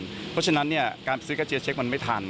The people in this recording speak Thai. เพราะฉะนั้นการซื้อกระเจียเช็คมันไม่ทัน